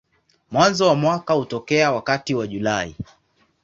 Mwanzo wa mwaka hutokea wakati wa Julai.